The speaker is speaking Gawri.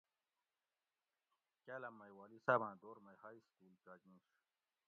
کاٞلاٞم مئ والی صاٞباٞں دور مئ ہائی سکول چاجِینش